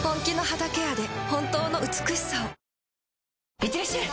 いってらっしゃい！